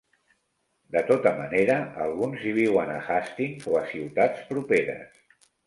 De tota manera, alguns hi viuen a Hastings o a ciutats properes.